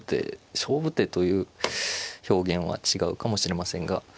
勝負手という表現は違うかもしれませんが。